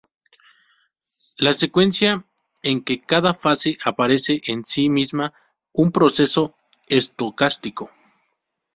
La secuencia en que cada "fase" aparece es en sí misma un proceso estocástico.